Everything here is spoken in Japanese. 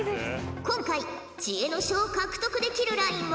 今回知恵の書を獲得できるラインは。